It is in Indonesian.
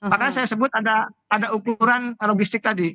makanya saya sebut ada ukuran logistik tadi